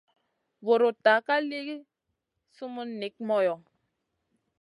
Vuruta ka li summun nik moyo.